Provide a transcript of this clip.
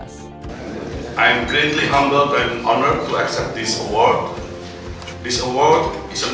saya sangat bangga dan berhormat untuk menerima pemberian ini